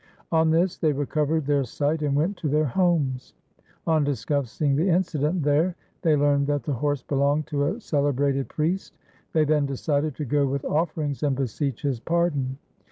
On this they recovered their sight and went to their homes. On discussing the incident there, they learned that the horse belonged to a cele brated priest. They then decided to go with offerings and beseech his pardon.